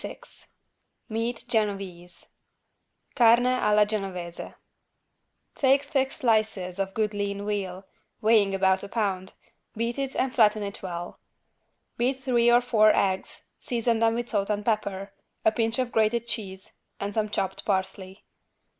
86 MEAT GENOVESE (Carne alla Genovese) Take thick slices of good lean veal, weighing about a pound, beat it and flatten it well. Beat three or four eggs, season them with salt and pepper, a pinch of grated cheese and some chopped parsley.